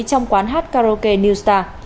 trong quán hát karaoke new star